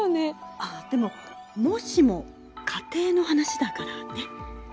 あでも「もしも」仮定の話だからね。